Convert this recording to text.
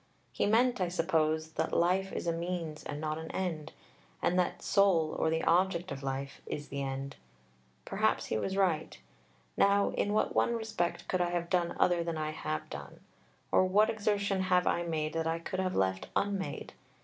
He meant, I suppose, that "life" is a means and not an end, and that "soul," or the object of life, is the end. Perhaps he was right. Now in what one respect could I have done other than I have done? or what exertion have I made that I could have left unmade?...